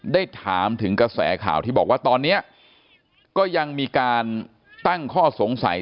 ได้ถามถึงกระแสข่าวที่บอกว่าตอนนี้ก็ยังมีการตั้งข้อสงสัย